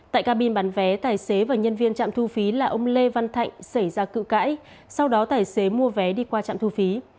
tại cabin bán vé tài xế và nhân viên trạm thu phí là ông lê văn thạnh xảy ra cự cãi sau đó tài xế mua vé đi qua trạm thu phí